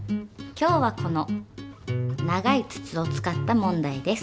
今日はこの長い筒を使った問題です。